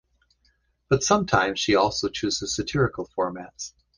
But sometimes she also chooses satirical formats.